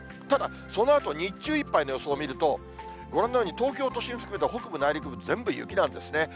ただ、そのあと日中いっぱいの予想を見ると、ご覧のように、東京都心含めた内陸部、全部雪なんですね。